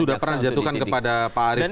sudah pernah dijatuhkan kepada pak arief